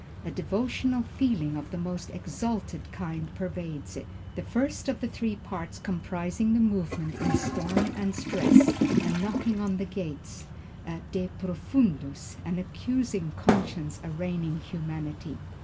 A devotional feeling of the most exalted kind pervades it. The first of the three parts comprising the movement is storm and stress, a knocking on the gates, a De Profundus, an accusing conscience arraigning humanity.